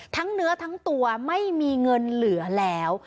เนื้อทั้งตัวไม่มีเงินเหลือแล้ว